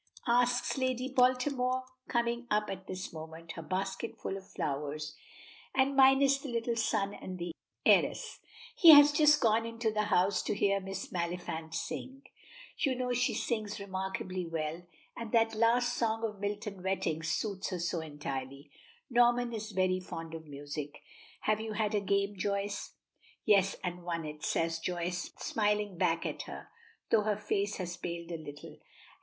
asks Lady Baltimore, coming up at this moment, her basket full of flowers, and minus the little son and the heiress; "he has just gone into the house to hear Miss Maliphant sing. You know she sings remarkably well, and that last song of Milton Wettings suits her so entirely. Norman is very fond of music. Have you had a game, Joyce?" "Yes, and won it," says Joyce, smiling back at her, though her face has paled a little.